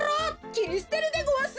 きりすてるでごわす。